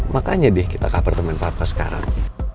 makanya deh kita ke apartemen papa sekarang